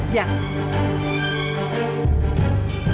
biar aku tahu